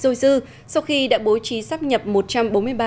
rồi dư sau khi đã bố trí sắp nhập